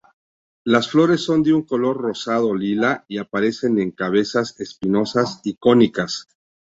Las flores son de un color rosado-lila y aparecen en cabezas espinosas y cónicas.